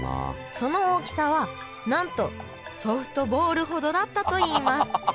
その大きさはなんとソフトボールほどだったといいますハハハ。